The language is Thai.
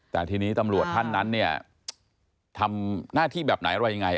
แต่ทีนี้ตำรวจท่านนั้นเนี่ยทำหน้าที่แบบไหนอะไรยังไง